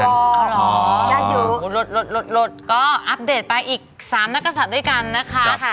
ยัดอยู่ลดลดลดลดลดก็อัพเดตไปอีกสามนักศัตริย์ด้วยกันนะคะครับ